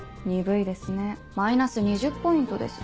鈍いですねマイナス２０ポイントです。